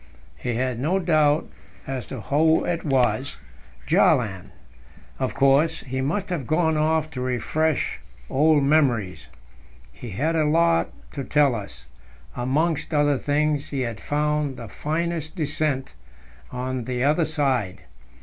We had no doubt as to who it was Bjaaland, of course. He must have gone off to refresh old memories. He had a lot to tell us; amongst other things, he had found "the finest descent" on the other side.